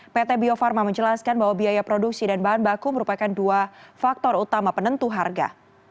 pt bio farma menjelaskan bahwa biaya produksi dan bahan baku merupakan dua faktor utama penentu harga